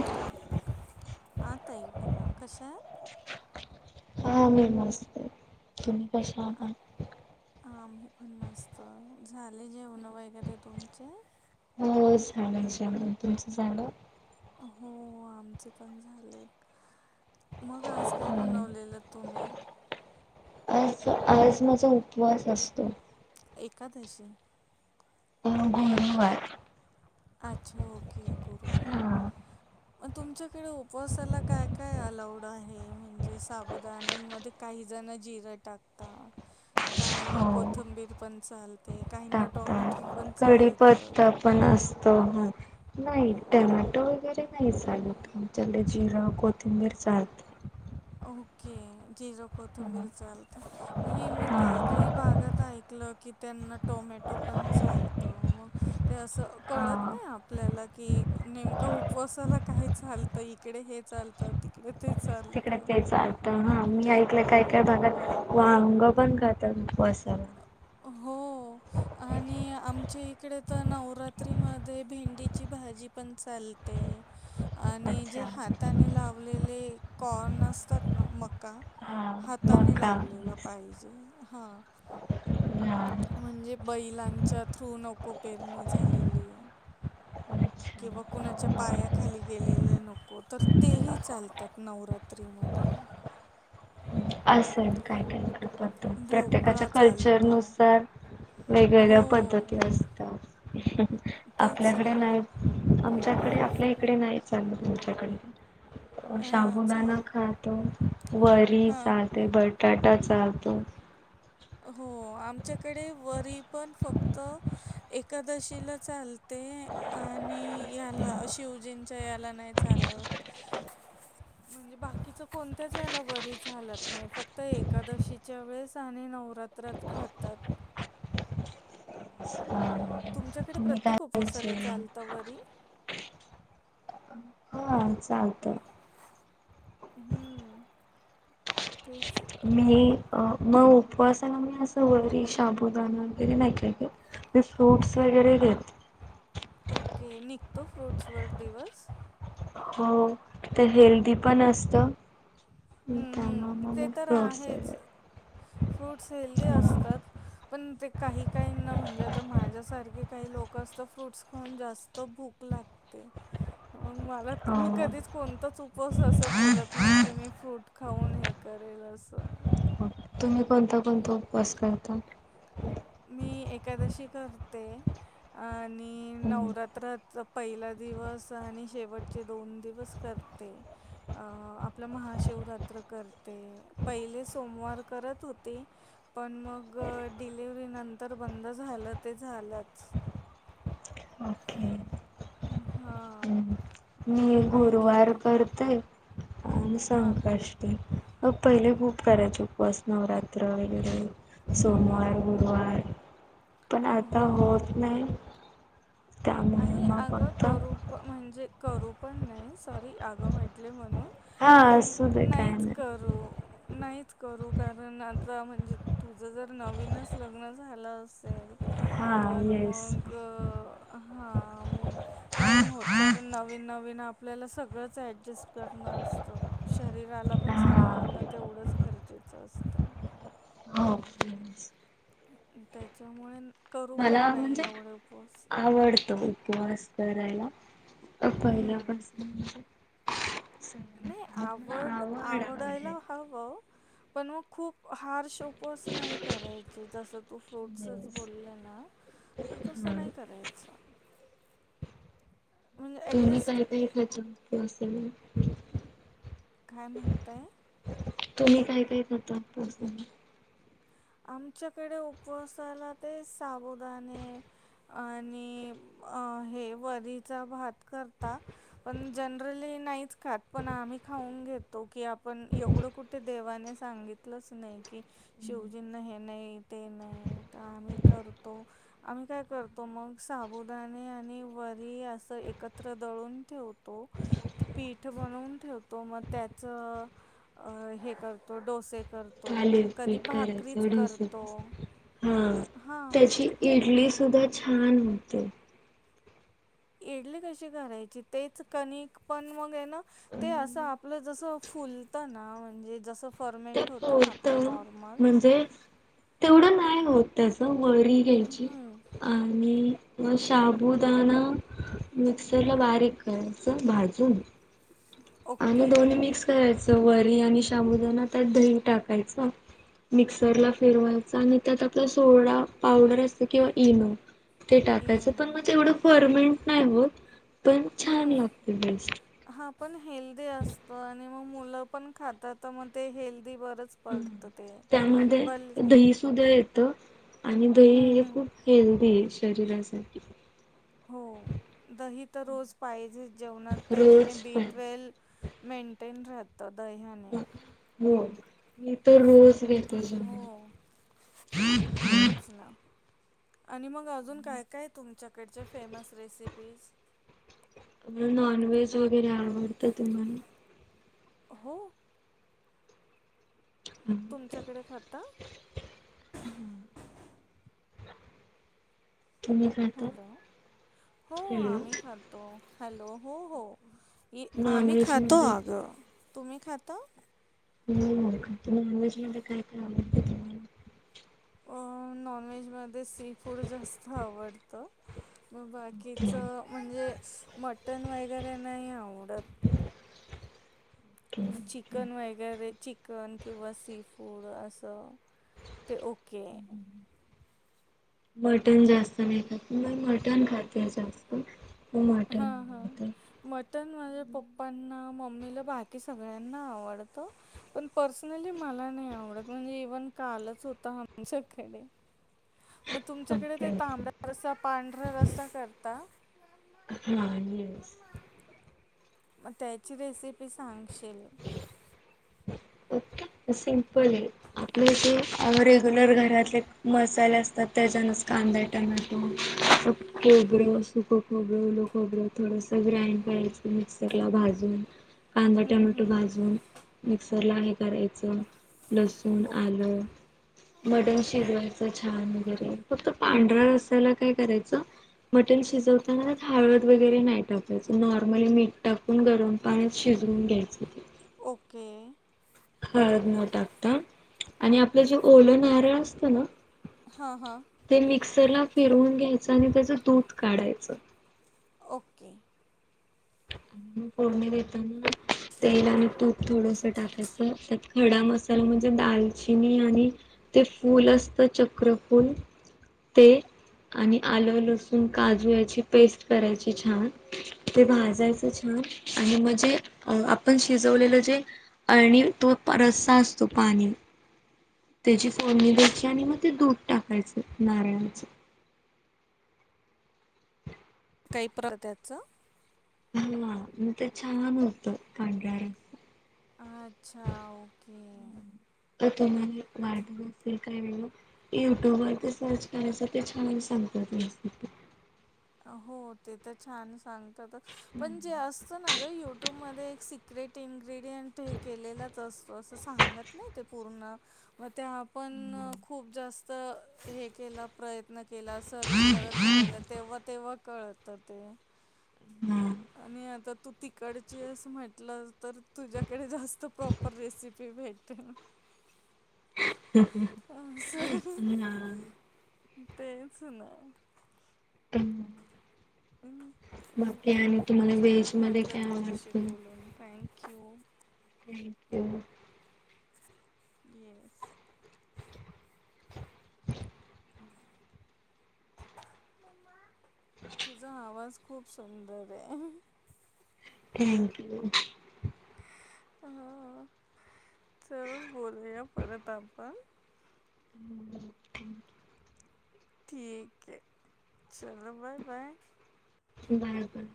Hello हा ताई बोला कशा आहेत हा मी मस्त आहे तुम्ही कशा आहात आम्ही पण मस्त झाले जेवनं वगैरे तुमचे हो झालं झालं तुमचं झालं हो आमचे पण झालेत मग आज काय हो. बनवलेलं तुम्ही आज आज माझा उपवास असतो एकादशी गुरुवार अच्छा ओके गुरुवार हा मग तुमच्याकडे उपवासाला काय काय अलाउड आहे म्हणजे साबुदान्यांमध्ये काही जण जिरं टाकता काही हो कोथंबीर पण चालते काहीना टोमॅ टाकतात कडीपत्ता पण असत तो नाही टोमॅटो वगैरे नाही चालत आमचाकडे जिरं कोथिंबीर सात ओके जिर कोथंबीर चालते नाही मी हा काही काही भागात ऐकलं की त्यांना टोमॅटो पण चालतं मग ते असं हा कळत नाही आपल्याला की नेम उपसा काय चालत इकडे हे चालत तिकडे ते चालत. तिकडे ते चालत हा मी ऐकलं काही काही भागात वांग पण खातात त उपवास हो आणि. आमच्या इकडे तर नवरात्री म भेंडीची भाजी पण चालते. आणि जे अच्छा हाताने लावलेले कॉर्न असतात ना मका. हा हाताने मका लावलेला पाहिजे हा. हा म्हणजे बैलांच्या थ्रू नकोपेरणी झालेली. किंवा कुणाच्या अच्छा पायाखाली गेलेले नको तर तेही चालतात नवरात्री म. आता. असेल काय काय करत प्रत्येकाच्या भोपळा कल्चर चालतो नुसार. हो वेगवेगळ्या पद्धती असतात तेच आपल्याकडे ना नाही. तच्याकडे आपल्या इकडे नाही चाललं तुमच्याकडे हां शाबुदाना सांग खातो. वरी हां चालते बटाटा चालतो. हो आमच्याकडे वरी पण फक्त एकादशीला चालते आणि याला शिवजींच्या याला नाही चालत. म्हणजे बाकीच कोणत्याच याला बरीच हलत नाही फक्त एकादशीच्या वेळेस आणि न रात्रात खातात. तुमच्याकडे तुम्ही काय प्रत्येक खायचे उपसाल चालतं वरी हा चालतं. हम्म तेच. मी अ, मग उपवासा म अस व शबुदा वगैरे नाही फ्रूट्स वगैरे. घेते. ओके निघतो फ्रूट्स वर दिवस. हो तथ हेल्दी पण असत. म हम्म कामा हम्म म ते म तर फ्रॉडस आहेच आहे. फ्रूट्स हेल्दी असतात. पण ते काही काहीना म्हणजे आता माझ्यासारखे काही लोक असत फ्रूट्स खाऊन जास्त भुक मला मी हो कधीच कोणता उपस अस बोलत नाही की मी फ्रूट खाऊन हे करेल असं. तुम्ही कोणता कोणता उपवास करता. मी एकादशी करते आणि हम्म. नवरात्र. पहिला दिवस आणि शेवटचे दोन दिवस करते अ आपल्या मशिवरात्र करते पहिले सोमवार करत होते पण मग डिलिव्हरीनंतर बंद झालं ते झालंच. ओके. हा. हम्म. मी गुरुवार करतय. आणि हां. संकाष्टी पहिले खूप काराचे उपवास नवरात्र वगैरे. हो. सोमवार गुरुवार पण आता हो, होत हो. नाही. त्यामुळे आणि मग आग फक्त करू म्हणजे करू पण नाही सॉरी आग म्हटले म्हणून. हा पण असू दे काय नाहीच नाही करू. नाहीत करू कारण आता म्हणजे तुझं जर नवीनच लग्न झालं असेल. हा तर येस मग हा मग. नाही होत कारण नवीन नवीन आपल्याला सगळंच ऍडजस्ट करणं असतं शरीराला. आपण हा सांभाळणं तेवढंच गरजेचं असत. हा. त्याच्यामुळेळ. मला म्हणजे आवडतो उपवास करायला. हम्म पहिल्यापासून. नाही सगळ्यात मला आवड आवड आहे आवडायला हवं पण मग खूप हार शो पस नाही करायची जस तू फ्रूटसच येस बोलले ना. तो तस हा नाही करायच म्हणजे तुम्ही ॲटलिस्ट काही काही खाच असेल काय म्हणता तुम्ही काय काय करतात आमच्याकडे उपवासाला ते साबुदाणे आणि वडी भात कर पण जनरली नाही खात पण आम खाऊन घेतो की आपण एवढं कुठे देवाने सांगितलंच नाही की शि हे नाही ते नाही आम्ही करतो आम्ही काय करतो मगब दाणे आणि वरी अस एकत्र दळून ठेवतो पीठ बनून ठेव त्याच हे करतो डोसे तो कधी थालीपीठ भाकरीत करायचं डोसे करतो हा हा त्याची इडली सुद्धा छान होते इडली कशी करायची तेच कणिक पण मग आहे ना ते असं आपलं जस फुलत ना म्हणजे जसं ते फर्मेंट होतं ना होत आपलं नॉर्म म्हणजे तेवढं नाही होत त्याचं वरी घ्यायची हम्म आणि शाबुदाणा मिक्सर ला हम्म बारीक करायच भाजून आणि ओके दोन्ही मिक्स करायच सवारी आणि शाबूदाना त्यात दही टाकायचा मिक्सरला फिरवायचा आणि त्यात आपला सोडा पावडर असत किंवा इनो टाकायचं पण मग हम्म तेवढं फर्मेंट नाही हो पण छान लागते बस्ट मुल पण खाता त म हे बल त्यामध्ये दही सुद्धा येतं आणि दही हम्म हे हम्म खूप हेल्दी आहे शरीरासाठी हो दही तर रोज पाहिजे जेवणात त्याच्याने रोज बी पाहिजे. ट्वेल मेंटेन राहत दह्याने हो मी तर रोज वेेतज हो तेच ना आणि मग अजून काय काय तुमच्याकडच्या फेमस रेसिपीज आप नॉन वेज वगैर आवडत तुम्हाला हो तुमच्याकडे खाता तुम्ही खाता? हॅलो हो हॅलो आम्ही खातो हॅलो हो हो आम्ही नॉनव्हेज खातो मध्ये अग तुम्ही खाता [unintelligible] अ नॉन व्हेज मध्ये सी फूड जास्त आवडत म ओके बाकीच म्हणजे मटण वगैरे नाही आवडत ओके ओके. चिकन वगैरे चिकन किंवा सी फूड असं ते ओके मटन जास्त नाही खात मग मटन खाते जास्त. मी मटण हां हां खाते माझ्या पप्पांना मम्मीला बाकी सगळ्यांना आवडत पण पर्सनली मा मला नाही आवडत म्हणजे इव्हन कालच होता आमच्याकडे मग तुमच्याकडे ते ओके ओके. तांबड रस् पांढरा्या रसा करता हा येस मग त्याची रेसिपी सांगशील ओके सिंपल आहे आपले जे रेग्युलर घरातले मसाले असतात त्याच्यानुसार कांदा टमाॅटो स खोबरं सुकं खोबरं उलो खोबरं थोडंसं ग्राईंड मिक्सर ला भाजून कांदा हं, टमॅटो हं. भाजून मिक्सरला आहे करायचं लसूण आलं ओके मटण शिजवायचं छान वगैरे फक्त पांढरा्या रसा्यायला काय करायचं मटन शिजवतानाच हाळद वगैरे नाही टाकायचं नॉर्मली मीठ टाकून गरम पाण्यात शि जेवून घ्यायचं. ओके. हळद न टाकता आणि आपलं जे ओलं नारळ असतं ना हां हां. ते मिक्सरला फिरवून घ्यायचं आणि त्याचं दूध काढायचं. ओके. म फोडणी देेताना तेल आणि तूप थोडंसा टाकायचा त्यात खडा मसाला म्हणजे दालचिनी आणि ते फूल असतं चक्र फूल ते आणि आलं, लसूण, काजू याची पेस्ट करायची छान ते भाज जायचा छान आणि म्हणजे आपण शिजवलेल जे आणि तो रस्सा असतो पाणी त्याची फोडणी द्यायची आणि मग ते दूध टाकायचं नारळाचं. काहीं प्र त्याचा ह म त छान होतं पांढरा रस्सा. अच्छा ओके. जर तुम्हाला वाटतं असेल काय वेगळ यु ट्यूब वरते सर्च करायच ते छान सांग [unintelligible] [inaudible] हो ते तर छान सांगतात अ पण जे असतं ना ग यु ट्यूब मध्ये एक सिक क्रिट इनग्रेडियंट हे केलेलाच असतो असं सांगत नाही ते पूर्ण म ते आपण हा खूप जास्त हे केला प्रयत्न केला सर्च करत राहिल तेव्हा- तेव्हा कळतं ते. आणि आता तू तिकडची यास म्हंटलं तर तुझ्याकडे जास्त प्रॉपर रेसिपी भेटतीन. [inaudible] तुम्ही ना तेच ना. हम्म. बाकी आणि तुम्हांला व्हेज छान मध्ये काय आवडतं? हो. थँक्यू. [unintelligible] तुझा आवाज खूप सुंदर आहे. Thank you. ह चल बोलूया परत आपण. हम्म थँक यू. [unintelligible] बरोबर!